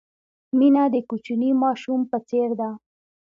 مینه د کوچني ماشوم په څېر ده.